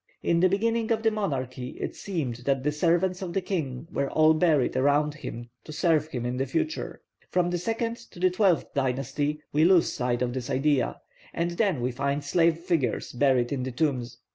In the beginning of the monarchy it seems that the servants of the king were all buried around him to serve him in the future; from the second to the twelfth dynasty we lose sight of this idea, and then we find slave figures buried in the tombs.